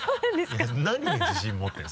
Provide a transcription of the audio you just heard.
えっ何に自信持ってるの？